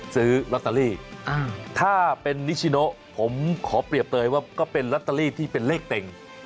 ซื้อลอตเตอรี่ถ้าเป็นนิชิโนผมขอเปรียบเตยว่าก็เป็นลอตเตอรี่ที่เป็นเลขเต็ง